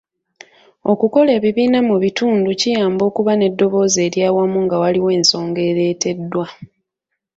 Okukola ebibiina mu bitundu kiyamba okuba n'eddoboozi ery'awamu nga waliwo ensonga ereeteddwa.